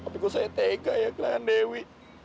lu suka sama dewi